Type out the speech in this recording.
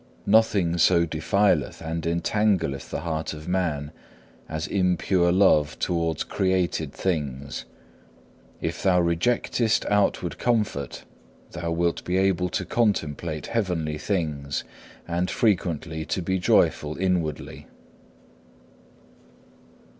Nothing so defileth and entangleth the heart of man as impure love towards created things. If thou rejectest outward comfort thou wilt be able to contemplate heavenly things and frequently to be joyful inwardly.